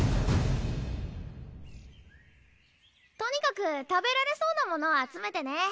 とにかく食べられそうなものを集めてね。